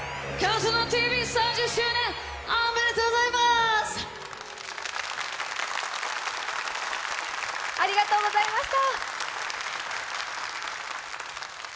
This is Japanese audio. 「ＣＤＴＶ」３０周年、おめでとうございます！ありがとうございました。